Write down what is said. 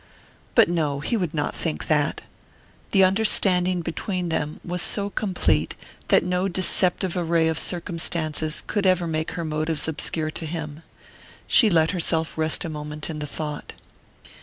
But no! he would not think that. The understanding between them was so complete that no deceptive array of circumstances could ever make her motives obscure to him. She let herself rest a moment in the thought....